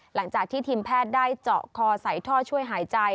หลังจากที่ทีมแพทย์ได้เจาะคอใส่ท่อช่วยหายใจ